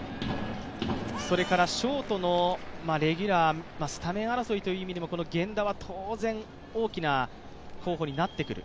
それからショートのレギュラー、スタメン争いという場面でも源田は大事になってくる。